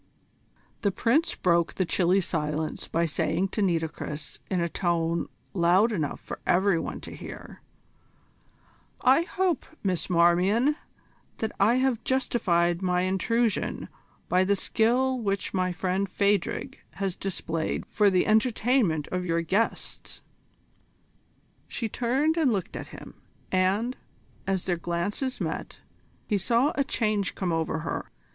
The Prince broke the chilly silence by saying to Nitocris in a tone loud enough for every one to hear: "I hope, Miss Marmion, that I have justified my intrusion by the skill which my friend Phadrig has displayed for the entertainment of your guests?" She turned and looked at him, and, as their glances met, he saw a change come over her.